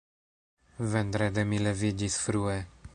Vendrede mi leviĝis frue.